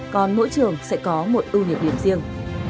còn mỗi trường sẽ có một ưu nhược điểm riêng